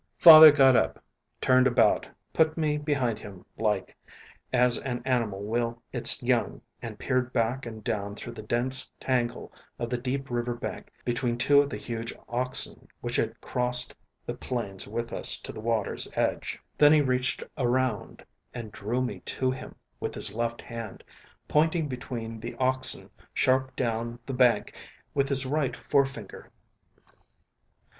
Father got up, turned about, put me behind him like, as an animal will its young, and peered back and down through the dense tangle of the deep river bank between two of the huge oxen which had crossed the plains with us to the water's edge; then he reached around and drew me to him with his left hand, pointing between the oxen sharp down the bank with his right forefinger.